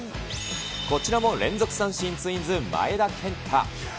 こちらも連続三振、ツインズ、前田健太。